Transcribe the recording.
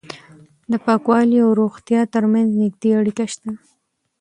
د پاکوالي او روغتیا ترمنځ نږدې اړیکه شته.